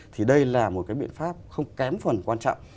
thì đây là một cái biện pháp không kém phần quan trọng